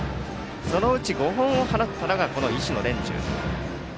そのうち、５本を放ったのがこの石野蓮授。